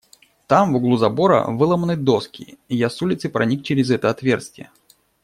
Там, в углу забора, выломаны доски, и я с улицы проник через это отверстие.